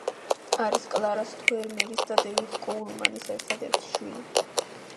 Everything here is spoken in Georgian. არის კლარა სთოერმერის და დევიდ კოულმანის ერთადერთი შვილი.